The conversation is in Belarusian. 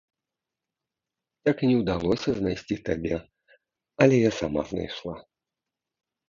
Так і не ўдалося знайсці табе, але я сама знайшла.